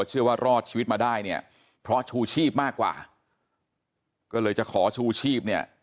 เชื่อว่ารอดชีวิตมาได้เนี่ยเพราะชูชีพมากกว่าก็เลยจะขอชูชีพเนี่ย